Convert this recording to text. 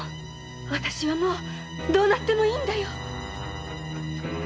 私はもうどうなってもいいんだよ！